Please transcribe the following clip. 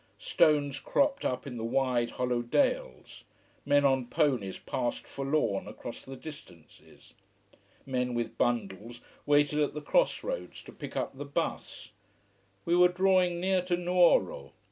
Stones cropped up in the wide, hollow dales. Men on ponies passed forlorn across the distances. Men with bundles waited at the cross roads to pick up the bus. We were drawing near to Nuoro.